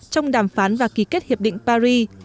trong đàm phán và ký kết hiệp định paris